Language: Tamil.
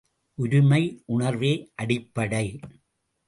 உரிமை உணர்வே அடிப்படை.